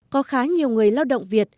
có khá nhiều người lao động việt